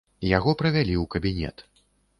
Яго правялі ў кабінет.